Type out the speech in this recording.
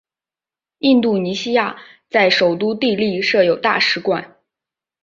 印度尼西亚在首都帝力设有大使馆。